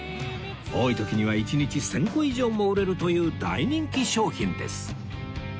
多い時には一日１０００個以上も売れるという大人気商品です